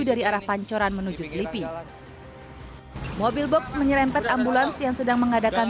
dari arah pancoran menuju selipi mobil box menyerempet ambulans yang sedang mengadakan